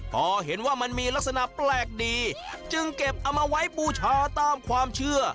พอเห็นว่ามันมีลักษณะแปลกดีจึงเก็บเอามาไว้บูชาตามความเชื่อ